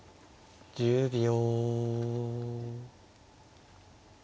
１０秒。